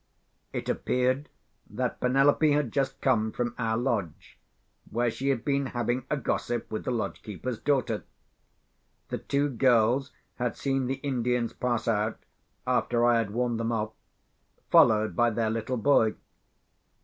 It appeared that Penelope had just come from our lodge, where she had been having a gossip with the lodge keeper's daughter. The two girls had seen the Indians pass out, after I had warned them off, followed by their little boy.